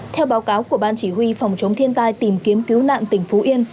theo báo cáo của ban chỉ huy phòng chống thiên tai tìm kiếm cứu nạn tỉnh phú yên